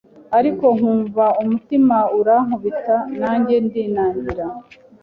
ariko nkumva umutima urankubita nanjye ndinangira.